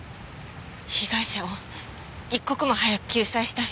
被害者を一刻も早く救済したい。